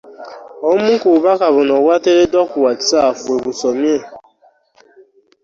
Obumu ku bubaka buno obwateereddwa ku Whatsapp bwe busomye.